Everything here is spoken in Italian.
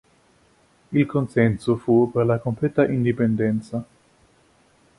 Il consenso fu per la completa indipendenza.